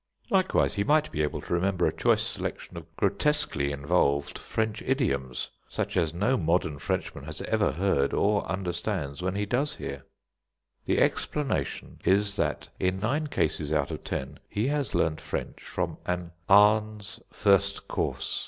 Likewise he might be able to remember a choice selection of grotesquely involved French idioms, such as no modern Frenchman has ever heard or understands when he does hear. The explanation is that, in nine cases out of ten, he has learnt French from an "Ahn's First Course."